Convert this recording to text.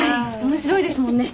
面白いですもんね。